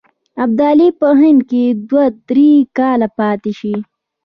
ابدالي په هند کې دوه درې کاله پاته شي.